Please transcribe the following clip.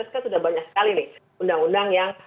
sekarang sudah banyak sekali nih undang undang yang